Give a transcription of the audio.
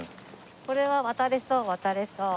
これは渡れそう渡れそう。